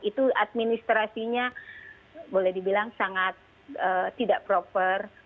itu administrasinya boleh dibilang sangat tidak proper